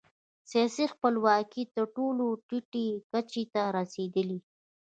سیاسي خپلواکي یې تر ټولو ټیټې کچې ته رسېدلې.